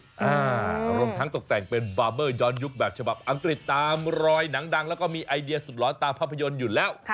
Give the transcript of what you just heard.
รวมทั้งตกแต่งเป็นบาร์เบอร์ย้อนยุคแบบฉบับอังกฤษตามรอยหนังดังแล้วก็มีไอเดียสุดร้อนตามภาพยนตร์อยู่แล้ว